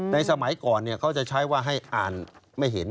สมัยก่อนเขาจะใช้ว่าให้อ่านไม่เห็น